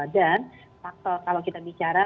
dan faktor kalau kita bicara